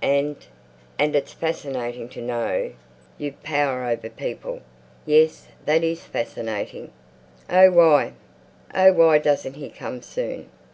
And—and it's fascinating to know you've power over people. Yes, that is fascinating.... Oh why, oh why doesn't "he" come soon?